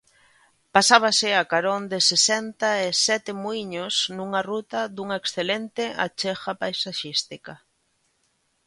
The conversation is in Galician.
Pasábase a carón de sesenta e sete muíños nunha ruta dunha excelente achega paisaxística.